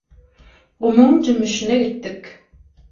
Gumuň jümmüşine gitdik.